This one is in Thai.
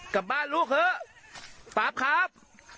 กลับบ้านลูกเถอะป๊าบครับ